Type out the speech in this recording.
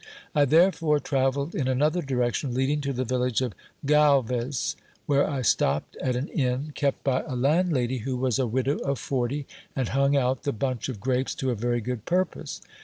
I therefore tra velled in another direction leading to the village of Galves, where I stopped at an inn, kept by a landlady who was a widow of forty, and hung out the bunch of grapes to a very good purpose.